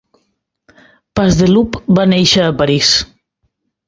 Pasdeloup va néixer a París.